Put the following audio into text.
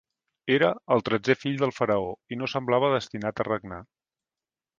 Era el tretzè fill del faraó i no semblava destinat a regnar.